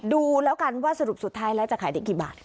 ดูแล้วกันว่าสรุปสุดท้ายแล้วจะขายได้กี่บาท